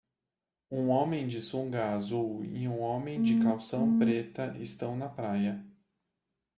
Um homem de sunga azul e um homem de calção preta estão na praia.